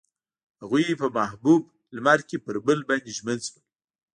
هغوی په محبوب لمر کې پر بل باندې ژمن شول.